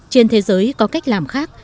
trên thế giới có cách làm khác